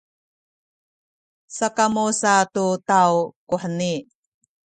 sakamu sa tu taw kuheni.